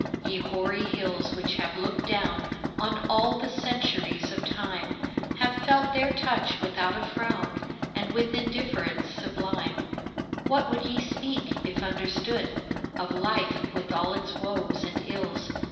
Ye hoary hills which have looked down On all the centuries of time, Have felt their touch without a frown, And with indifference sublime, What would ye speak, if understood, Of life with all its woes and ills?